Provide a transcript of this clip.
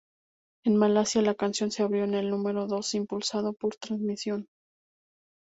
En Malasia, la canción se abrió en el número dos impulsado por transmisión.